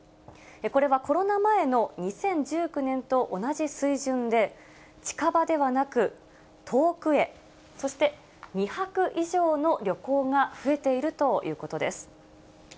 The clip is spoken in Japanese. これはコロナ前の２０１９年と同じ水準で、近場ではなく遠くへ、そして２泊以上の旅行が増えているということです。